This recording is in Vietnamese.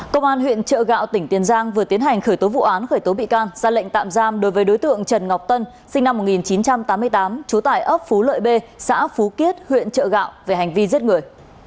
công an huyện trợ gạo tỉnh tiền giang vừa tiến hành khởi tố vụ án khởi tố bị can ra lệnh tạm giam đối với đối tượng trần ngọc tân sinh năm một nghìn chín trăm tám mươi tám trú tại ấp phú lợi b xã phú kiết huyện trợ gạo về hành vi giết người